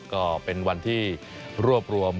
ก็เป็นวันที่รวบรวม